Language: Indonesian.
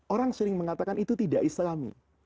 orang sering mengatakan itu tidak islami